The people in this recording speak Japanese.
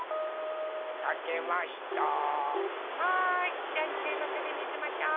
じゃあいっせいのせでみせましょう。